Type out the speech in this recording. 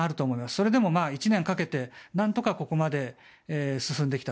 それでも１年かけて何とかここまで進んできた。